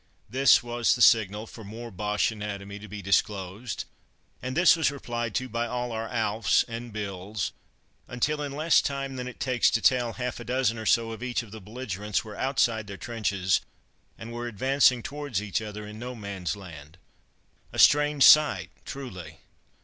This was the signal for more Boche anatomy to be disclosed, and this was replied to by all our Alf's and Bill's, until, in less time than it takes to tell, half a dozen or so of each of the belligerents were outside their trenches and were advancing towards each other in no man's land. A strange sight, truly!